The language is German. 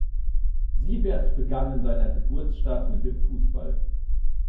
Siebert begann in seiner Geburtsstadt mit dem Fußball.